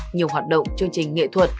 nhiều hoạt động chương trình nghệ thuật